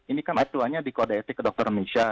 ini kan atuannya di kode etik ke dokter indonesia